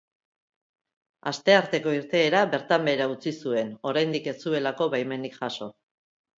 Astearteko irteera bertan behera utzi zuen oraindik ez zuelako baimenik jaso.